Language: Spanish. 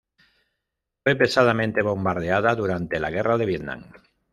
Fue pesadamente bombardeada durante la Guerra de Vietnam.